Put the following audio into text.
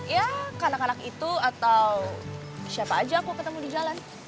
ya ke anak anak itu atau siapa aja aku ketemu di jalan